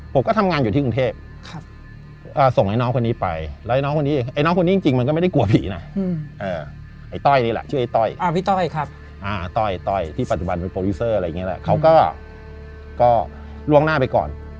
ผมก็ทำงานอยู่ที่กรุงเทพส่งไอ้น้องคนนี้ไปแล้วไอ้น้องคนนี้ไอ้น้องคนนี้จริงมันก็ไม่ได้กลัวผีนะไอ้ต้อยนี่แหละชื่อไอ้ต้อยพี่ต้อยครับต้อยต้อยที่ปัจจุบันเป็นโปรดิวเซอร์อะไรอย่างนี้แหละเขาก็ล่วงหน้าไปก่อน